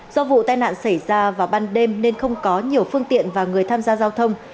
do vụ tai nạn xảy ra vào ban đêm nên không có nhiều phương tiện và người tham gia giao thông